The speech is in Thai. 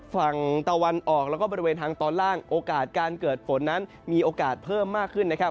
ฝั่งตะวันออกแล้วก็บริเวณทางตอนล่างโอกาสการเกิดฝนนั้นมีโอกาสเพิ่มมากขึ้นนะครับ